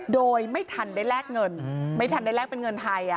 โดยไม่ทันได้แลกเงินไม่ทันได้แลกเป็นเงินไทย